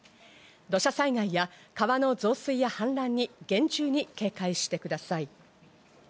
土砂災害や川の増水や、はん濫に厳重に警戒してください。